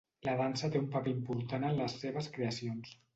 La dansa té un paper important en les seves creacions.